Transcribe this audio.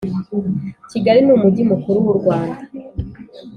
Kigali ni umujyi mukuru wu Rwanda